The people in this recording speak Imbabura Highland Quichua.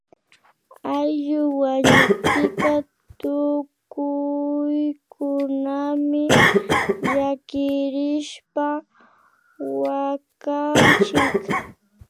Ayllu wañukpika tukuykunami llakirishpa wakanchik